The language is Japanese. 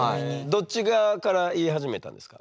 どっち側から言い始めたんですか？